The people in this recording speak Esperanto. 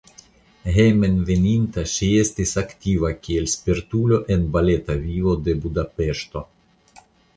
Hejmenveninta ŝi estis aktiva kiel spertulo en baleta vivo de Budapeŝto.